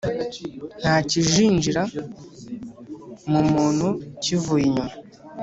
Ntakinjira mu muntu kivuye inyuma